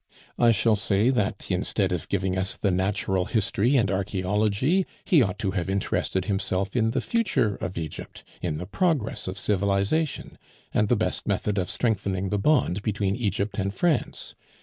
I shall say that instead of giving us the natural history and archaeology, he ought to have interested himself in the future of Egypt, in the progress of civilization, and the best method of strengthening the bond between Egypt and France.